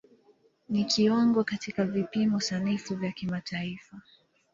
Ni kiwango katika vipimo sanifu vya kimataifa.